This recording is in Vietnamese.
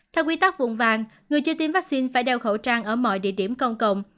theo quy tắc vùng vàng người chưa tiêm vaccine phải đeo khẩu trang ở mọi địa điểm công cộng